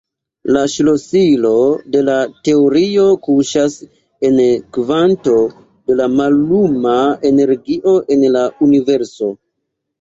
La ŝlosilo de la teorio kuŝas en kvanto da malluma energio en la Universo.